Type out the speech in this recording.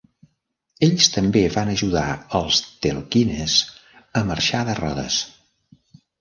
Ells també van ajudar els Telquines a marxar de Rodes.